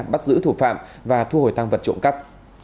bắt giữ thủ phạm và thu hồi tăng vật trộm cắp